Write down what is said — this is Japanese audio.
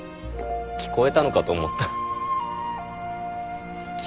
聞こえたのかと思った。